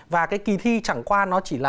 và cái kỳ thi chẳng qua nó chỉ là